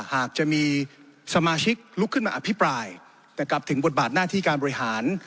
หากจะมีสมาชิกลุกขึ้นมาอภิปรายแต่กลับถึงบทบาทหน้าที่การบริหาร